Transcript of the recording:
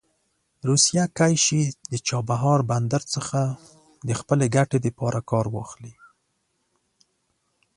روسیه کولی شي د چابهار بندر څخه د خپلې ګټې لپاره کار واخلي.